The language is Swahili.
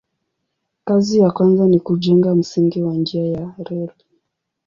Kazi ya kwanza ni kujenga msingi wa njia ya reli.